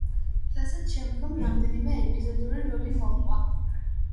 რასაც შემდგომ რამდენიმე ეპიზოდური როლი მოჰყვა.